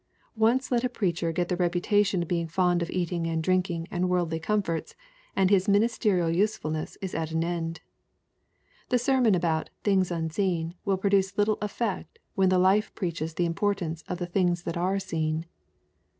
Once let a preacher get the reputation of being fond of eating and drinking and worldly comforts, and his ministerial usefulness is at an end. The sermon about ^* things unseen" will produce little effect when the life preaches the importance of the " things that are seen."